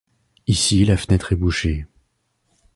Ici, la fenêtre est bouchée.